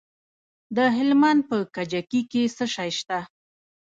د هلمند په کجکي کې څه شی شته؟